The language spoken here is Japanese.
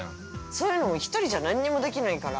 ◆そういうのも一人じゃ何もできないから。